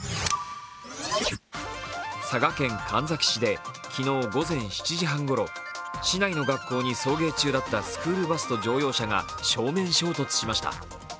佐賀県神埼市で昨日午前７時半ごろ市内の学校に送迎中だったスクールバスと乗用車が正面衝突しました。